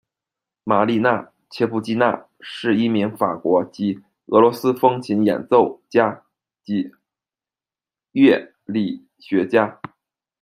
玛丽娜·切布基娜是一名法国及俄罗斯风琴演奏家及乐理学家。